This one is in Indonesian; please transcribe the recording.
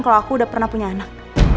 kalau aku udah pernah punya anak